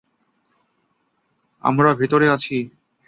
আমরা ভিতরে আছি?